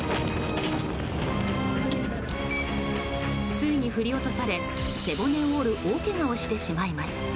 ついに振り落とされ、背骨を折る大けがをしてしまいます。